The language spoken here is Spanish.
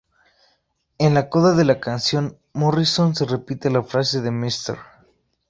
En la coda de la canción, Morrison se repite la frase de "Mr.